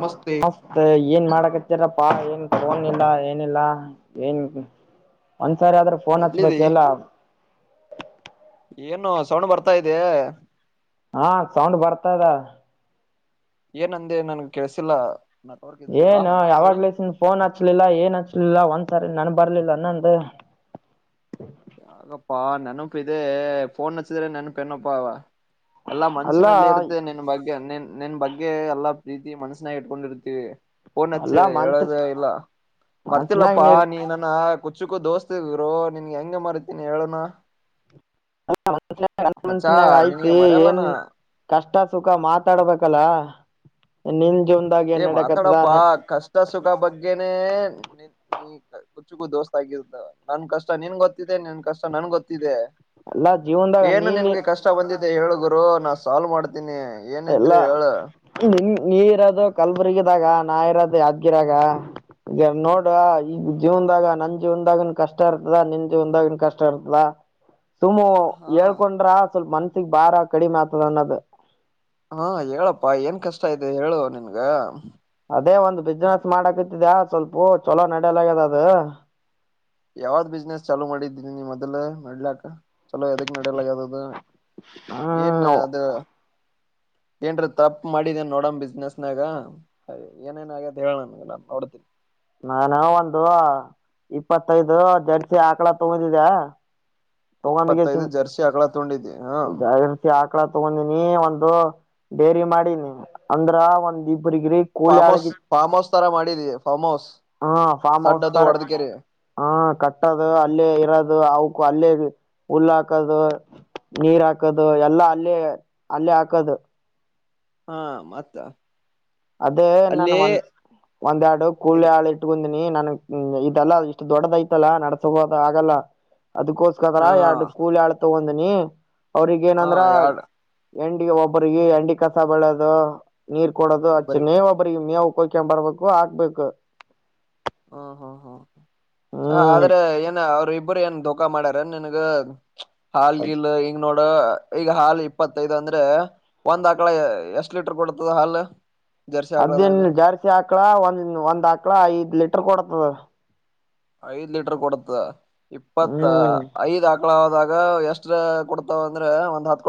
ನಮಸ್ತೆ ಮಸ್ತ್ ಏನ್ ಮಾಡಕ ಪ್ಪಾ ಏನ್ ಫೋನ್ ಇಲ್ಲ ಏನಿಲ್ಲ ಏನ್ ಸರಿ ಆದ್ರೂ ಫೋನ್ ಎಲ್ಲಿದಿ ಹಚ್ಬೇಕ ಎಲ್ಲ ಏನು ಸೌಣ್ ಬರ್ತಾ ಇದೆ ಹಾ ಸೌಂಡ್ ಬರ್ತಾದ ಏನ್ಂದೆ ನನ್ಗ್ ಕೇಸಿಲ್ಲ ಏನು ಯಾವಾಗ್ಲಸನ್ ಫೋನ್ ಹಚ್ಲಿಲ್ಲ ಏನ್ ಹಚ್ಲಿಲ್ಲ ಒಂದ ಸರಿ ನನ್ು ಬರ್ಲಿಲ್ಲ ನಂದ ಯಗಪ್ಪಾ ನೆನಪ ಇದೆ ಫನ್ ನಚ್ಚಿದ್ರ ನೆನಪಣನಪ್ಪಾ ಎಲ್ಲಾ ಅಲ್ಲಾ ಮನ್ಸಿನಲ್ಲಿ ಇರುತ್ತೆ ನಿನ್ ಬಗ್ಗೆ ನಿನ್ ನಿನ್ ಬಗ್ಗೆ ಎಲ್ಲಾ ರೀತಿ ಮನಸ್ಸನಾಗ ಇಟ್ಕೊಂಡಿರ್ತೀವಿ ಓನ್ಚ್ಚ ಅಲ್ಲಾ ಮನ್ಸ ಹೇಳೋದ ಇಲ್ಲ ಮನ್ಸನಾಗ ಮರ್ತಿಲ್ಲಪ್ಪಾ ನೀರ್ ನೀನಾನ ಕುಚ್ಚುಕ ದೋಸ್ತ ಇದರು ನಿನ್ಗೆ ಹೆಂಗೆ ಮರತೀನಿ ಹೇಳೋಣ ಂಿನಾಗ ಆಯ್ತಿ ನಿನಗೆ ಏನ್ ಮರೆಯಲ್ಲನಾ ಕಷ್ಟ ಟ ಸುಖ ಮಾತಾಡ್ಬೇಕಲ್ಲ ನಿನ್ ಜೀವನ್ದಾಗ ಏ ಏನ್ ಮಾತಾಡಪ್ಪಾ ನಡಕತ್ತದ ಕಷ್ಟ ಸುಖ ಬಗ್ಗೆನೆೇ ನಿ ನೀ ಕುಚುಗೂ ದೋಸ್ತ ಆಗಿ ನನ್ ಕಷ್ಟ ನಿನ್ ಗೊತ್ತಿದೆ ನನ್ ಕಷ್ಟ ನನ್ ಗೊತ್ತಿದೆ ಎಲ್ಲಾ ಜೀವನ್ದಾಗ ಏನು ನೀನ್ ನಿನ್ಗೆ ಕಷ್ಟ ಬಂದಿದೆ ಹೇಳಗರು ನಾ ಸಾಲ್ವ್ ಮಾಡ್ ಎಲ್ಲ ನಿನ್ ನೀರದ ಕಲ್ಬುರ್ಗಿದಾಗ ನಾ ಇರೋದ ಯಾದ್ಗಿರಾಗ ಈ ನೋಡ ಈಗ ಜೀವನ್ದಾಗ ನನ್ ಜೀವನದಾಗನ್ ಕಷ್ಟ ಇರ್ತದ ನಿನ್ ಜೀವನ್ದಾಗನ್ ಕಷ್ಟ ಇರ್ತದ ಸುಮ್ಮು ಹಾ ಹೇಳ್ಕೊಂಡ್ರ ಸ್ವಲ್ಪ ಮನ್ಸಿಗ್ ಬಾರ ಕಡಿಮೆ ಆಗ್ತದ ಅನ್ನೋದು ಹಾ ಹೇಳಪ್ಪಾ ಏನ್ ಕಷ್ಟ ಇದೆ ಹೇಳುವ ನಿನ್ಗ ಅದೇ ಒಂದ್ ಬಿಸ್ಿನನೆಸ್ ಮಾಡಾಕತಿದ್ಯಾ ಸ್ವಲ್ಪ ಚಲೋ ನಡಲಾಗ್ಯದ ಅದು ಯಾವ್ದ್ ಬಿಸ್ನೆಸ್ ಚಾಲೂ ಮಾಡಿದ್ದೀನಿ ನೀವು್ ಮದಲ ನಡ್ಲಕ್ ಚಲೋ ಯದಕ್ ನಡಲ ಯಾವ್ದದು ಏನ್ ಹ್ಮ್ ಅದು ಏನ್ರ ತಪ್ಪ ಮಾಡಿದೇನ್ ನೋಡಣ ಬಿಸ್ನೆಸ್ನಾಗ ಏನೇನ ಆಗದ ಹೇಳಣ ನೋಡತನಿ ನಾನು ಒಂದು ಇಪ್ಪತ್ತೈದು ಜಡ್ಸಿ ಆಕಳ ತುಗುದಿದ ತಗೊಂಡ ಜಸ ಇಪ್ಪತ್ತೈದು ಜರ್ಸಿ ಆಕಳ ತೊಂಡಿದ್ದಿ ಹಾ ಆಕಳ ತಗೊಂಡಿನಿ ಒಂದು ಬಡೇರಿ ಮಾಡಿನಿ ಅಂದ್ರ ಒಂದಿ ಒಬರಿಗರಿಿ ಕೂಳಿ ಫಾರ್ಮ್ ಹೌಸ್ ಹಳಗಿ ಫಾರ್ಮ್ ಹೌಸ್ ತರ ಮಾಡಿದಿ ಫಾರ್ಮ್ ಹೌಸ್ ಹಾ ಫಾರ್ಮ್ ಸಣ್ಣದು ಹೌಸ್ತಾರೆ ಹೊಡದಗೆರೆ ಹಾ ಕಟ್ಟದು ಅಲ್ಲೇ ಇರೋದು ಅ ಅಲ್ಲೇ ಹುಲ್ಲ ಹಾಕದು ನೀರ್ ಹಾಕ ಹಾಕದು ಎಲ್ಲಾ ಅಲ್ಲೇ ಅಲ್ಲೇ ಹಾಕದು ಹಾ ಮತ್ತ ಅದೇ ನಾನು ಅಲ್ಲಿ ಒಂದ್ ಒಂದ ಎರಡು ಕೂಳಿ ಹಾಳು ಇಟ್ಕೊಂಡ ನನ್ ಇದಲ್ಲ ಇಷ್ಟು ದೊಡ್ಡದಐತಲ್ಲ ನಡ್ಸಬೋದು ಆಗಲ್ಲ ಅದ್ಕೋಸ್ಕಕರ ಹಾ ಎರಡು ಕೂಲ್ ಎಳ್ ತಗೊಂಡನಿ ಅವ್ರಗ ಹಾ ಏನಂದ್ರ ಯಾಡ್ ಎಂಡಿ ಒಬ್ಬ್ರಿಗೆ ಎಂಡಿ ಕಸ ಬೆಳೋದು ನೀರ್ ಕೊಡೋದು ಅಚ್ಚ ಒಬ್ಬರಿ ನೇವ್ ಒಬ್ರಿಗೆ ಮೇವು ಕೋಗ್ಕೊಂಡ ಬರ್ಬೇಕು ಹಾಕ್ಬೇಕು ಹ್ಮ್ ಹ್ಮ್ ಹ್ಮ್ ಹ್ಮ್ ಆದ್ರೆ ಏನ್ ಅವರು ಒಬ್ರ ಏನ್ ಧಃಖಾ ಮಾಡ್ಯಾರ ನನ್ ಹಾಲ್ಗಿಲ್ ಹಂಗ ನೋಡ ಈಗ ಹಾಲು ಇಪ್ಪತ್ತೈದು ಅಂದ್ರೆ ಒಂದ್ ಆಕಳ ಎಷ್ಟ್ ಲೀಟರ್ ಕೊಡತದ ಹಾಲು ಅದೇನ್ ಜರ್ಸಿ ಹಾಕ್ಳ ಒಂದ ಒಂದ್ ಹಾಕ್ಳ ಐದ್ ಲೀಟರ್ ಕೊಡತದ ಐದ್ ಲೀಟರ್ ಕೊಡತ ಇಪ್ಪತ್ತ ಹ್ಮ್ ಐದ್ ಮಕ್ಕಳಾಗ ಎಷ್ಟ ಕೊಡ್ತಾವ ಅಂದ್ರೆ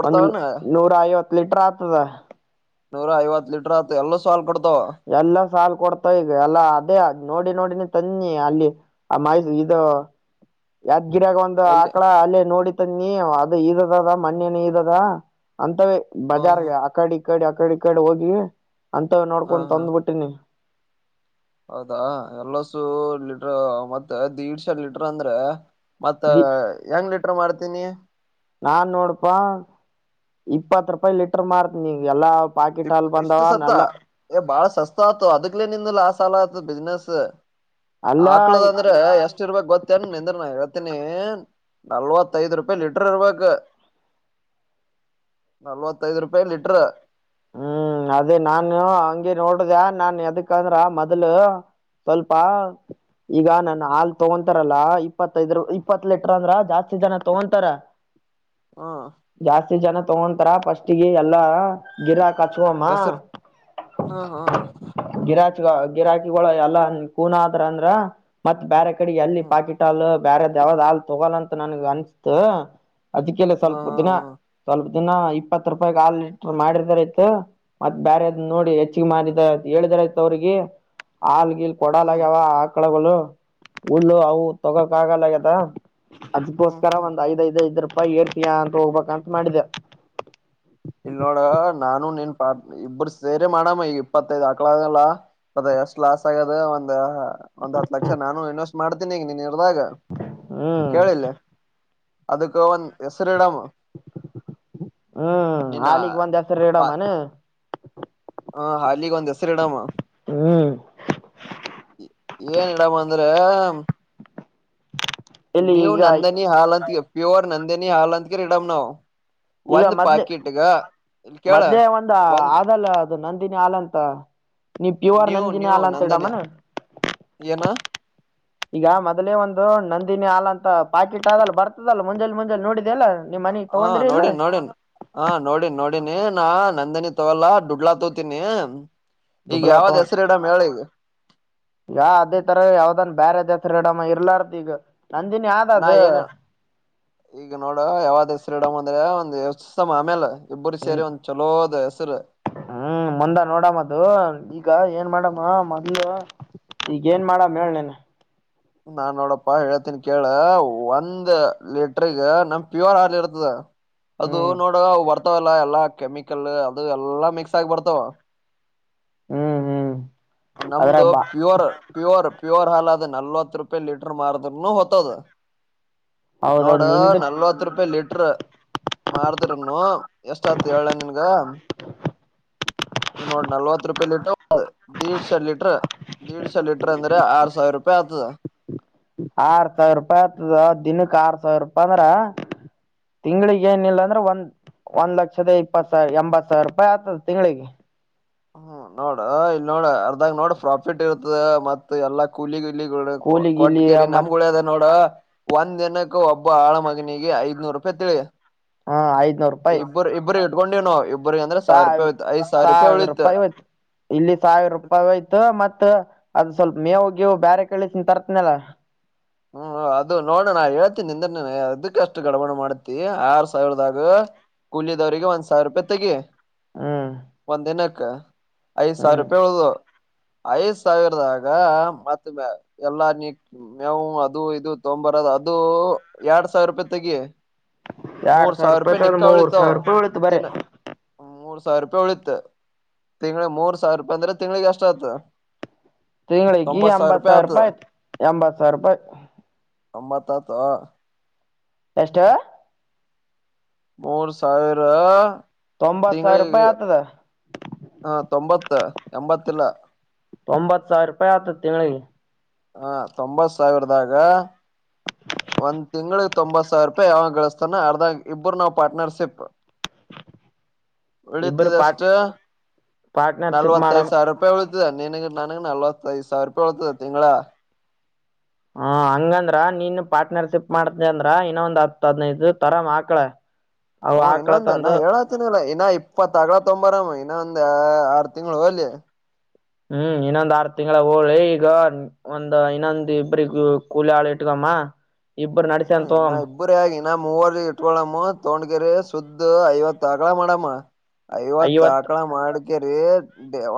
ಒಂದು್ ನೂರ ಐವತ್ತು ಲೀಟರ್ ಆತದ ನೂರ ಐವತ್ ಲೀಟರ್ ಎಲ್ಲ ಸ ಸಾಲ್ ಕೊ ಎಲ್ಲಾ ಸಾಲು ಕೊಡ್ತಾವ ಈಗ ಎಲ್ಲಾ ಅದೇ ನೋಡಿ ನೋಡಿ ತನ್ನಿ ಅಲ್ಲಿ ಆ ಮಸ ಇ ಗಿರಾಗ ಒಂದು ಎಲ್ಲಿ ಆಕಳ ಅಲ್ಲೇ ನೋಡಿ ತನ್ನಿ ಅದು ಇದದ ಅದ ಮನ್ನನ ಇದದ ಅಂತವ ಹ ಹ ಬಜಾರ್ಗೆ ಅಕಡಿ ಇಕಡಿ ಅಕಡಿ ಕಾಡೆ ಹೋಗಿ ಅಂತ ಹ ನೋಡ್ಕೊಂಡು ಹಾ ತಂದ್ಬಿಟ್ಟಿನಿ ಹೌದಾ ಎಲ್ಲಸು ಲಿಟ್ರ ಮತ್ತೆ್ೀಡ್ಶ ಲೀಟ್ರ ಅಂದ್ರೆ ಮತ್ತ ದಿ ಹೆಂಗ್ ಲೀಟರ್ ಮಾಡ್ತೀನಿ ನಾನ್ ನೋಡಪಾ ಇಪ್ಪತ್ ರೂಪಾಯಿ ಲೀಟರ್ ಮಾಡಾರತನಿ ನೀ ಎಲ್ಲ ಇ ಇಷ್ಟು ಸತ್ತ ಎ ಬಾಳ ಸಸ್ ಆಯತು ಅದಕ್ಲೆೇ ನಿಂದು ಲಾಸ್ ಆಾಲ ಆತು ಬಿಸ್ನೆಸ್ ಅಲ್ಲಾ ಹಾಕ್ಳದ ಅಂದ್ರೆ ಎಷ್ಟ ಇರ್ಬೇಕಕ್ ಗೊತ್ತೇನ್ ನಿಂದ ಹೇತನ ನಲ್ವತ್ತೈದು್ ರೂಪಾಯಿ ಲಿಟ್ರ ಇರ್ಬೇಕು ನಲ್ವತ್ತೈದು ರೂಪಾಯಿ ಲಿಟ್ರ ಹ್ಮ್ ಅದೇ ನಾನು ಹಂಗಗೆ ನೋಡ್ದ ನಾನ್ ಯದಕ್ಕಂದ್ರ ಮೊದ್ಲು ಸ್ವಲ್ಪ ಈಗ ನನ್ ಹಾಲ್ ತಗೊತಾರಲ್ಲಾ ಇಪ್ಪತ್ತೈದರು ಇಪ್ಪತ್ ಲೀಟರ್ ಅಂದ್ರ ಜಾಸ್ತಿ ಜನ ತಗೊಂತಾರ ಹ್ಮ ಜಾಸ್ತಿ ಜನ ತಗೊಂತಾರ ಪಫಸ್ಟ್ಿಗೆ ಎಲ್ಲಾ ಗಿರ ಹಾಕ್ ಕಚವಾಮ ಹೆಸರು ಹ್ಮ ಹ್ಮ ಗರಾಾಜ ಗಿರಾಕಿಗಳು ಎಲ್ಲ ಕೂನ ಆದ್ರ ಅಂದ್ರ ಮತ್ ಬೇರೆ ಕಡೆ ಎಲ್ಲಿ ಪಾಕಿಟ್ಲ್ ಬೇರೆ ಯಾವ್ದ್ ಹಾಲ್ ತಗೋಲ್ಲಂತ ನನ್ಗೆ ಅನ್ಸತು ಅದಕ್ಕೆಲ್ಲ ಹ್ಮ ಸ್ವಲ್ಪ ದಿನ ಹ್ಮ ಹ್ಮ ಸ್ವಲ್ಪ ದಿನ ಇಪ್ಪತ್ತು ರೂಪಾಯಿಗ್ ಆಲ್ ಮಾಡಿದಾರ ಆತು ಮತ್ ಬೇರೆದ್ ನೋಡಿ ಹೆಚ್ಚಿಗೆ ಮಾಡಿದಾರ ಹೇಳಿದಾರಾಯತು ಅವ್ರಿಗೆ ಆಲ್ಗೀಲ್ ಹ್ಮ್ ಕೊಡಲ್ ಹ್ಮ್ ಆಗ್ಯಾವ ಆಕಳಗಳು ಹುಲ್ಲು ಅವು ತಗೋಕ್ ಆಗಲ್ಲ ಆಗ್ಯದ ಹ್ಮ್ ಅದ್ಕ್ಕೋಸ್ಕರ ಹ್ಮ್ ಒಂದ್ ಐದಐದ್ ಐದು್ ರೂಪಾಯಿ ಏರ್ಟಿಯ ಅಂತ ಹೋಗ್ಬೇಕಂತ ಮಾಡಿದೆೆ ಇಲ್ ನೋಡ ನಾನು ನೀನ್ ಪಾ ಇಬ್ಬರು ಸೇರಿ ಮಾಡಮ್ಮ ಈ ಇಪ್ಪತ್ತೈದ್ ಹಕ್ಳಲ್ಲ ಅದ ಎಷ್ಟ್ ಲಾಸ್ ಆಗದ ಒಂದ್ ಒಂದ್ ಹತ್ ಲಕ್ಷ ನಾನು ಇನ್ವೆಸ್ಟ್ ಮಾಡ್ತೀನಿ ಈಗ ನೀ ದಾಗ ಹ್ಮ್ ಕೇಳಿಲ್ಲೆ ಅದಕ್ಕ ಒಂದ ಹೆಸರಿಡಾಮ ಹ್ಮ್ ನಿನ್ನ ಆಲಿಿಗೆ ಬಂದ ಹೆಸ ರಡ ಮನೆ ಹಾ ಹಾಲಿಗ್ ಒಂದ್ ಹೆಸರು ಇಡಮ್ಮ ಹ್ಮ್ ಏನ್ ಇಡಮ್ಮ ಅಂದ್ರೆ ಇಲ್ಲಿ ನೀವು ಈಗ ನಂದಿನಿ ಹಾಲ್ ಅಂತ ಪ್ಯೂರ್ ನಂದಿನಿ ಹಾಲ್ ಅಂತಗೆರಿ ಇಡಮ್ ನಾವವು ಈಗ ಮದ್ಲೆ ಇಲ್ ಕೇಳ ಮದ್ಲೇ ಒಂದು ಒಂದ್ ಆದಲ್ಲ ಅದು ನಂದಿನಿ ಹಾಲಂತ ನೀವ ಪ್ಯೂರ್ ನೀವು ನಂದಿನಿ ನೀವು ಅಲ ಅಂತ ನಂದನಿ ಹೇಳಮ್ಮನ ಏನ ಈಗ ಮೊದಲೇ ಒಂದು ನಂದಿನಿ ಹಲ್ ಅಂತ ಪಾಕೆಟ್ ಆದಲ್ಲಿ ಬರ್ತದಲ್ಲ ಮುಂಜೆ ಮುಂಜೆ ನೋಡಿದ ಅಲ್ಲ ನಿಮ್ ಮನಿ ಹಾ ತಗೊಂಡ್ರಿ ಇಲ್ಲ ನೋಡನ್ ನೋಡನ್ ಹ ನೋಡನ್ ನೋಡಿನಿ ನಾ ನಂದನಿ ತೊಗಲ್ಲಾ ದುಡ್ಲಾ ತೋತೀನಿ ಈಗ ದುಬಲಾ ಯಾವ್ದ್ ತೋೊಂಡ ಹೆಸರು ಇಡಮ್ ಹೇಳಿ ಈಗ ಯ ಅದೇ ತರ ಯಾವ್ದನ್ ಬೇರೆ ಅದ ಡಮ್ಮ ಇರ್ಲಾರ್ದ ಈಗ ನಂದಿನಿ ಯ್ದ ನಾ ಅದು ಏನ್ ಈಗ ನೋಡ ಯಾವದ ಹೆ ಶ್ರೀಡಮ್ ಅಂದ್ರೆ ಒಂದ್ ಎತ್ಸ ಆಮೇಲೆ ಇಬ್ಬರು ಹ್ಮ್ ಸೇರಿ ಒಂದ್ ಚಲೋದ ಹೆಸರು ಮುಂದ ನೋಡಮ್ಮದು ಈಗ ಏನ್ ಮಾಡಮ್ಮ ಮೊದ್ಲು ಈಗ ಏನ್ ಮಾಡ ಮನೇನ್ ನಾನ್ ನೋಡಪ್ಪಾ ಹೇತೀನಿ ಕೇಳ ಒಂದ್ ಲೀಟ್ರಗ ನಮ ಪ್ಯೂರ್ ಹಾಲ ಇರ್ತದ ಅದು ಹ್ಮ್ ನೋಡವ ಅವು ಬರ್ತಾವಲ್ಲಾ ಎಲ್ಲಾ ಕೆಮಿಕಲ್ ಅದು ಎಲ್ಲಾ ಮಿಕ್ಸ್ ಆಗಿ ಬರ್ತಾವ ಹ್ಮ್ ಹ್ಮ್ ನಮ್ದು ಅದ್ರಾಗ ಬಾ ಪ್ಯೂರ್ ಪ್ಯೂರ್ ಪ್ಯೂರ್ ಹಾಲ ಅದ ನಲ್ವತ್ತು ರೂಪಾಯಿ ಲೀಟರ್ ಮಾರದರುನು ಹೊತದ ನೋಡ ಹೌದೌದ್ ನಿಂದ ನಲ್ವತ್ ರೂಪಾಯಿ ಲೀಟರ್ ಮಾಡ್ದರಮನು ಎಷ್ಟ ಆತ ಹೇಳಳ್ ನಿನ್ಗ ಈಗ ನೋಡ ನಲ್ವತ್ ರೂಪಾಯಿ ಲೀಟ್ರ ದಡ್ ಶ ಲೀಟ್ರ ದೀಡ್ ಶ ಲೀಟರ್ ಅಂದ್ರೆ ಆರ್ ಸಾವಿರ ರೂಪಾಯಿ ಆಗ್ತದ ಆರ್ ಸಾವಿರ ರೂಪಾಯಿ ಆತದ ದಿನಕ್ಕೆ ಆರ್ ಸಾವಿರ ರೂಪಾಯಿ ಅಂದ್ರ ತಿಂಗಳಿಗೆ ಏನಿಲ್ಲ ಅಂದ್ರೆ ಒಂದ್ ಒಂದ್ ಲಕ್ಷದ ಇಪ್ಪತ್ ಸಾವಿರ ಎಂಬತ್ ಸಾವಿರ ರೂಪಾಯಿ ಆಗ್ತದೆ ತಿಂಗಳಿಗೆ ಹ್ಮ ನೋಡ್ರ ಇಲ್ ನೋಡ ಅರ್ದಾಗ ನೋಡ್ರ ಪ್ರಾಫಿಟ್ ಇರ್ತದ ಮತ್ ಎಲ್ಲಾ ಕೂಲಿಗ ಇಲ್ಲಿ ಕೂಲಿ ಗಿಲಿ ಕೊಟ್ಟಕೇರಿ ಮತ್ ನಮ್ಗಳು ಅದ ನೋಡ ಒಂದ್ ದಿನಕ್ಕ ಒಬ್ಬ ಆಳ ಮಗನಿಗೆ ಐದನೂರು ರೂಪಾಯಿ ತಿಳಿ ಹಾ ಆಯ್ತು ಇಬ್ಬರು ಇಬ್ಬರು ಇಡ್ಕೊಂಡೇವ ನ ಇಬ್ಬರು ಸಾವಿ ಸಾವಿರ ರೂಪಾಯಿ ಹೋಯ್ತು ಇಲ್ಲಿ ಸಾವಿರ ರೂಪಾಯಿ ಹೋಯ್ತು ಮತ್ತ ಅದು ಸ್ವಲ್ಪ ಮೇವು ಗೇವು ಬೇರೆ ಕಳಸನ್ ತರ್ತನಲ್ಲ ಹ್ಮ್ ಅದು ನೋಡಣಾ ಹೇಳ್ತೀನಿ ನಿಂದನ ಅದಕ್ಕಷ್ಟು ಗಡಬಣ ಮಾಡ್ತಿ ಆರ್ ಸಾವಿರದಾಗ ಕೂಲಿಯಿದವ್ರರಿಗೆ ಒಂದ್ ಸಾವಿರ ರೂಪಾಯಿ ತೆಗಿ ಹ್ಮ ಒಂದ್ ದಿನಕ್ಕ ಐದ್ ಸಾವಿರ ರೂಪಾಯಿ ಉಳದು ಐದ್ ಸಾವಿರದಾಗ ಮತ್ತ ಎಲ್ಲ ನೀ ಯವು ಅದು ಇದು ತೊಂಬರ್ದು ಅದು ಎರಡ್ ಸಾವಿರ ರೂಪಾಯಿ ತೆಗಿ ಎರಡ್ ಮೂರ್ ಸಾವಿರ ರೂಪಾಯಿ ತಗೊಂಡ್ ಮೂರ್ ನಿಕ್ಕಾವಳಿತಾವ ಸಾವಿರ ರೂಪಾಯಿ ಉಳಿತು ಬರೀ ದಿನ ಮೂರ್ ಸಾವಿರ ರೂಪಾಯಿ ಉಳಿಿತ ತಿಂಗಳ ಮೂರ್ ಸಾವಿರ ರೂಪಾಯಿ ಅಂದ್ರೆ ತಿಂಗ್ಳಿಗೆ ಅಷ್ಟ ಆತ ತಿಂಳಿಗೆ ಎಂಬತ್ ಸಾವಿರ ರೂಪಾಯಿ ಆಯ್ತು ಎಂಬತ್ ಸಾವಿರ ರೂಪಾಯಿ ಅಮ್ಮ ತತ ಎಷ್ಟ ಮೂರು ಸಾವಿರ ತೊಂಬತ್ ಸಾವಿರ ತಿಂಗಳಿಗೆ ರೂಪಾಯಿ ಆತದ ಹ ತೊಂಬತ್ತ ಎಂಬತ್ತಲ್ಲ ತಂಬತ್ತು ಸಾವಿರ ರೂಪಾಯಿ ಆತಾದ ತಿಂಗಳಿಗೆ ಹಾ ತೊಂಬತ್ ಸಾವಿರದಾಗ ಒಂದ್ ತಿಂಗಂಳಗ್ ತೊಂಬತ್ ಸಾವಿರ ರೂಪಾಯಿ ಯಾವಾಗ ಗಳಿಸ್ತಾನ ಅರ್ಧಾಗ ಇಬ್ಬರು ನಾವ್ ಪಾರ್ಟ್ನರ್ಶಿಪ್ ಇಬ್ಬರು ಉಳಿತದಷ್ಟ ಪಾರ್ಟ್ ಪಾರ್ಟ್ನರ್ಶಿಪ್ ಮಾಡ ನಲ್ವತ್ತೈದ ಸಾವಿರ ರೂಪಾಯಿ ಉಳಿತಿದೆ ನೀನಗೆ ನನು ನಲ್ವತ್ತೈಐದು ಸಾವಿರ ರೂಪಾಯಿ ಉಳತದ ತಿಂಗಳ ಹಾ ಹಂಗಂದ್ರ ನೀನ್ ಪಾರ್ಟನರ್ಶಿಪ್ ಮಾಡ್ತ ಅಂದ್ರ ಇನ್ನೊ ಒಂದ್ ಹತ್ ಹದ್ನೈದು ತರಮಆಕ್ಳ ಹ ಇನ್ನೊಂದ ನಾ ಹೇಳಾತೀನಿಲ್ಲಾ ಹಾ ಇಪ್ಪತ್ತಆಕಳ ತೊಂಬರಮ್ಮ ಇನ್ನ ಒಂದ ಆರು ತಿಂಗಳು ಹೊಲಿ ಹ್ಮ್ ಇನ್ನೊಂದ್ ಆರ್ ತಿಂಗಳ ಹೋಲಿ ಈಗ ಒಂದ ಇನ್ನೊಂದ ಇಬ್ರಗ ಕೂಲಿ ಆಳು ಇಟ್ಕಳ ಮ್ ಮಾ ಇಬ್ಬರು ನಡಿತಾದತೋಮ ನಾ ಮೂವರ್ ಇಟ್ಕೊಳಮ್ಮ ತೊಗೊಂಡಕೇರಿ ಸುದ್ದ ಐವತ್ ಆಕಳ ಮಾಡಮ್ಮ ಐವತ್ತು ಐವತ್ ಆಕಳ ಮಾಡಕೇರೀ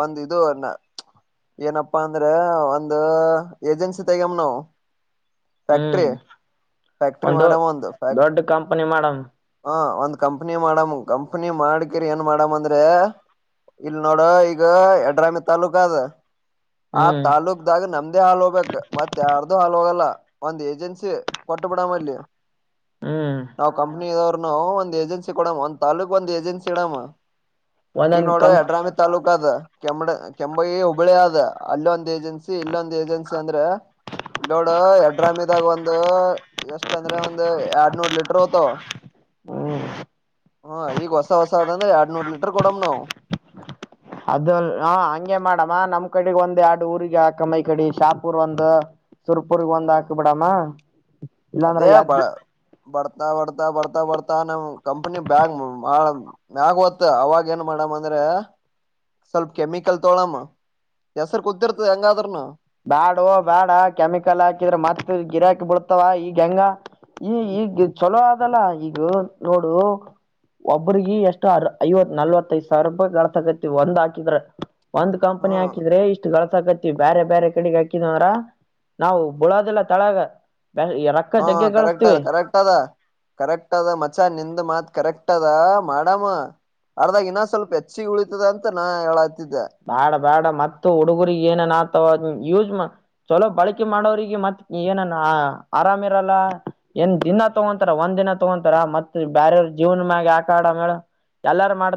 ಒಂದ ಇದು ಏನಪ್ಪಾ ಅಂದ್ರೆ ಒಂದ ಏಜೆನ್ಸಿ ತೆಗೆಮ ನಾವು ಫ್ಯಾಕ್ಟ್ರಿ ಹ್ಮ್ ಫ್ಯಾಕ್ಟ್ರಿ ಒಂದು ಮಾಡಮ್ ಫ್ಯಾಕ್ಟ್ ದೊಡ್ಡ ಕಂಪನಿ ಮಾಡಮ್ ಹ ಒಂದ್ ಕಂಪ್ನಿ ಮಾಡಮ ಕಂಪನಿ ಮಾಡಕಿರ್ ಏನ್ ಮಾಡಾಮ ಅಂದ್ರೆ ಇಲ್ ನೋಡ ಈಗ ಯಡ್ರಾಮಿ ತಾಲ್ಲೂಕ ಅದ ಆ ಹ್ಮ್ ತಾಾಲೂಕ್ದಾಗ ನಮ್ದೇ ಹಾಲ್ ಹೋಗ್ಬೇಕ್ ಮತ್ ಯಾರ್ದು ಹಾಲ್ ಹೋಗಲ್ಲ ಒಂದ್ ಏಜೆನ್ಸಿ ಕೊಟ್ಟು ಬಿಡಾಮಲ್ಲಿ ಹ್ಮ್ ಇದ್ನು ಒಂದು ಏಜೆನ್ಸಿ ಕೊಡಮ್ ಒಂದ ತಾಲೂಕ್ ಒಂದ್ಏಜೆನ್ಸಿ ಇಡಾಮ ಈಗ ಒಂದೊಂದ್ ನೋಡ ಕಂಪ್ ಯಡ್ರಾಮಿ ತಾಲ್ಲೂಕ ಅದ ಕೆಂಬಡ ಕೆಂಭಾವಿ ಹುಬ್ಳಿ ಅದ ಅಲ್ಲೊಂದ್ ಏಜೆನ್ಸಿ ಇಲ್ಲೊಂದ್ ಏಜೆನ್ಸಿ ಅಂದ್ರೆ ಇಲ್ ನೋಡು ಎಡ್ರಾಮಿದಾಗ ಒಂದು ಎಷ್ಟ ಅಂದ್ರೆ ಒಂದು ಎರಡ್ ನೂರ್ ಲೀಟ್ರ ಹೋಗ್ತಾವ ಹ್ಮ್ ಹಾ ಈಗ ಹೊಸ ಹೊಸ ಅದಂದ್ರೆ ಎರಡ್ ನೂರ್ ಲೀಟರ್ ಕೊಡಮ ನಾವು ಅದ ಹ ಹಂಗೆ ಮಾಡಮ್ಮ ನಮ್ ಕಡೆಗ ಒಂದ್ ಎರಡು ಊರಿಗೆ ಆಕಮ ಇಕಡಿ ಶಾಪೂರ್ ಒಂದು ಸುರ್ಪುರ್ಗ ಒಂದ್ ಹ್ಮ್ ಹಾಕ್ ಬಿಡಮ್ಮ ಇಲ್ಲಾಂದ್ರ ಅದೇ ಬ ಯದ್ ಭರ್ತ ಬರ್ತ ಬರ್ತಾ ಬರ್ತಾ ಬರ್ತಾ ನಮ್ ಕಂಪ್ನಿ ಬ್ಯಾಗ ಬಾಳ ಮ್ಯಾಗ್ ಹೋತ್ತ ಅವಾಗ ಏನ್ ಮಾಡಮ ಅಂದ್ರೆ ಸ್ವಲ್ಪ ಕೆಮಿಕಲ್ ತೊಳಮ್ಮ ಹೆಸರು ಕೂತಿರ್ತದ ಹೆಂಗಾದ್ರನು ಬ್ಯಾಡ ಓ ಬ್ಯಾಡ ಕೆಮಿಕಲ್ ಹಾಕಿದ್ರೆ ಮತ್ತ ಗಿರಾಕಿ ಬಿಡ್ತಾವ ಈಗ ಹೆಂಗ ಈ ಈಗ ಚಲೋ ಅದಲ್ಲ ಈಗ ನೋಡು ಒಬ್ರಗ ಎಷ್ಟು ಅರ್ ಐವತ್ ನಲ್ವತ್ತೈದ ಸಾವಿರ ರೂಪಾಯಿಳತಕತಿ ಒಂದ್ ಹಾಕಿದ್ರ ಒಂದ ಹ್ಮ ಕಂನಿ ಹಾಕಿದ್ರೆ ಇಷ್ಟು ಲಾಸಕತಿ ಬೇರೆ ಬೇರೆ ಕಡೆಗೆ ಹಾಕಿದವ್ರ ನಾವು ಬುಳೋದಿಲ್ಲ ತಳಗ ರೊಕ್ಕ ಹಾ ಜಗ್ಗೆ ಕರೆಕ್ಟ್ ಅದ ಗಳಸ್ತೀವಿ ಕರೆಕ್ಟ್ ಅದ ಕರೆಕ್ಟ್ ಅದ ಮಚ ನಿಂದ ಮಾತ್ ಕರೆಕ್ಟ್ ಅದ ಮಾಡಮ್ಮ ಅರ್ದಾಗ ಇನ್ನ ಸ್ವಲ್ಪ ಹೆಚ್ಚಿಗೆ ಉಳಿತದ ಅಂತ ನಾ ಹೇಳ ಬಾಡ ಬಾಡ ಮತ್ತ ಹುಡುಗರಿಗೆ ಏನ ಆತವಾ ಯೂಸ್ ಚಲೋ ಬಳಕೆ ಮಾಡೋರಿಗೆ ಮತ್ತೆ ಏನ ರ ಆರಾಮೇ ಇರಲ್ಲ ಏನ್ ದಿನ ತಗೊಂತಾರ ಒಂದ್ ದಿನ ತಗೊಂತಾರ ಮತ್ತೆ ಬ್ಯರವ್ರ ಜೀವನ್ ಮ್ಯಾಗೆ ಆಟಆಡಮ್ ಹೇಳ್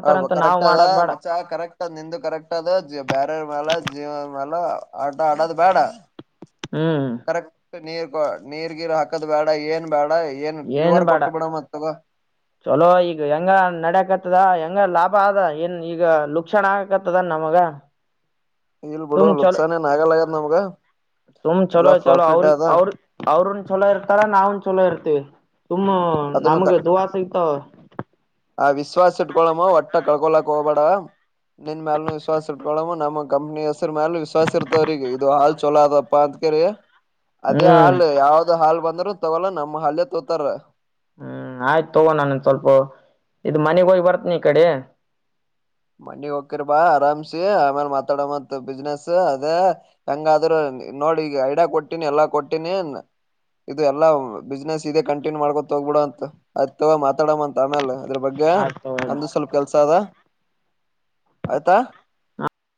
ಅ ಕರೆಕ್ಟ್ ಅದ ಮಚ್ಚ ಕರೆಕ್ಟ್ ಅದ ನಿಂದು ಕರೆಕ್ಟ್ ಆಟದ ಬ್ಯಾರರ್ ಮೇಾಲ ಜೀವದ ಮೇಾಲ ಆಟ ಆಡೋದು ಬೇಡ ಹ್ಮ್ ಕರೆಕ್ಟ್ ನೀರ್ ನೀರ್ ಗಿರ ಹಾಕದ ಬೇಡ ಏನ್ ಬೇಡ ಏನ್ ಪ್ಯೂರ್ ಬಾಡ ಕೊಟ್ಟ ಬಿಡ ಮತ್ ತಗೋ ಚಲೋ ಈಗ ಹೆಂಗ ನಡಕತ್ತದಂಗ ಹಂಗ ಲಾಭ ಆದ ಏನ್ ಈಗ ಲುಕ್ಷಣ ಆಗಕತ್ತದೇನ ನಮಗ ಇಲ್ ಬಿಡು ಲುಕ್ಸಾನ್ ನ್ ಆಗಲ್ಲ ಆಗದ್ ನಮ್ಗ ತುಮ ಚಲೋ ಎಲ್ಲಾ ಚಲೋ ಅವ್ ಪ್ರಾಫಿಟ್ ಅದ ಅವ್ರ ಅವ್ರ ಚಲೋ ಇರ್ತಾರ ನಾವನ್ ಚಲೋ ಇರ್ತೀವಿ ತುಮ್ಮ ಅದನ್ನು ನಮ್ಗೆ ದದುುವಾಸ ಇತವ ಆ ವಿಶ್ವಾಸ ಇಟ್ಕೊಳಮ್ಮ ಒಟ್ಟ ಕಳ್ಕೊಳಕ್ ಹೋಗಬೇಡ ನಿನ್ ಮ್ಯಾಲ ವಿಶ್ವಾಸ ಇಟ್ಕೊಳಮ್ಮ ನಮ್ಮ ಕಂಪ್ನಿ ಹೆಸರ ಮ್ಯಾಲ ವಿಶ್ವಾಸ ಇರ್ತವ್ರಗ ಇದು ಹಾಲ್ ಚಲೋದಪ್ಪ ಅಂತ ರಿ ಅದೇ ಹ್ಮ್ ಹಾಲ್ ಯಾವ್ದ್ ಹಾಲ್ ಬಂದ್ರೂ ತಗೊಲ್ಲ ನಮ್ಮ ಹಲ್ಲೆ ತೋತಾರ ಹ್ಮ್ ಆಯ್ತು ತಗೋಣಾನಂದ ಸ್ವಲ್ಪ ಇದ ಮನೆಗ್ ಹೋಗಿ ಬರ್ತನ ಈ ಕಡೆ ಮ್ಣಿಗೆಗ್ ಹಕಿರ್ ಬಾ ಆರಾಮ್ಸಿ ಆಮೇಲೆ ಮಾತಾಡೋ ಮತ್ ಬಿಸ್ನೆಸ್ ಅದೇ ಹೆಂಗಾದ್ರೂ ನೋಡಿ ಈಗ ಐಡಿಯಾ ಕೊಟ್ಟೀಿನಿ ಎಲ್ಲಾ ಕೊಟ್ಟೀನಿ ಇದು ಎಲ್ಲಾ ಬಿಸ್ನೆಸ್ ಇದೆ ಕಂಟಿನ್ಯೂ ಮಾಡ್ಕೊತ ಹೋಗ್ಬ ಬಿಡ ಅಂತ ಅ್ ತಗ ಮಾತಾಡ ಅಂತತ್ ಆಮೇಲೆ ಇದ್ರ ಬಗ್ಗೆ ಆಯ್ತ್ ತಗೋ ಇಡು. ನನ್ನದು ಸ್ವಲ್ಪ ಕೆಲಸ ಅದೆ ಆಯ್ತಾ.